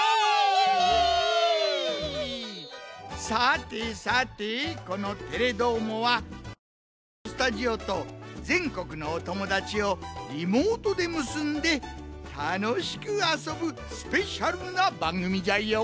さてさてこの「テレどーも！」は東京のスタジオとぜんこくのおともだちをリモートでむすんでたのしくあそぶスペシャルなばんぐみじゃよ。